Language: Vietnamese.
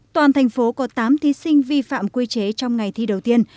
toàn thành phố có tám thí sinh vi phạm quy chế trong ngày thi đầu tiên